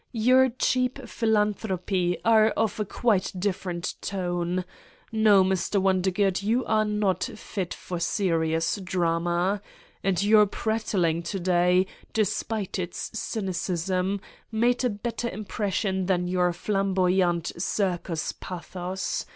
your cheap philanthropy are of a quite different tone ... No, Mr. Won dergood, you are not fit for serious drama ! And your prattling to day, despite its cynicism, made a better impression than your flamboyant circus pathos.